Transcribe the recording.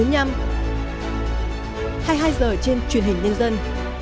hai mươi hai h trên truyền hình nhân dân